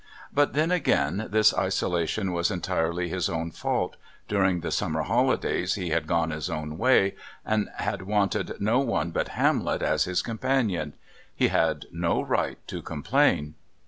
But, then again, this isolation was entirely his own fault. During the summer holidays he had gone his own way, and had wanted no one but Hamlet as his companion. He had no right to complain.